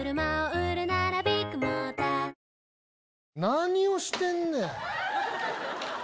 何をしてんねん！